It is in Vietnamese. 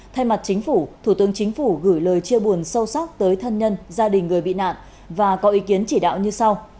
thay mặt chính phủ thủ tướng chính phủ gửi lời chia buồn sâu sắc tới thân nhân gia đình người bị nạn và có ý kiến chỉ đạo như sau